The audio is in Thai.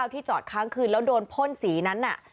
ที่จอดค้างคืนแล้วโดนพ่นสีนั้น